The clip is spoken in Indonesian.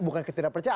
bukan ketidak percaya